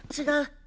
違う。